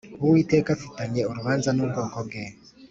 Uwiteka afitanye urubanza n ubwoko bwe